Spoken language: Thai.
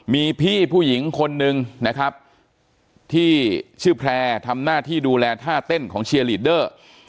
มีพี่ผู้หญิงคนนึงนะครับที่ชื่อแพร่ทำหน้าที่ดูแลท่าเต้นของเชียร์ลีดเดอร์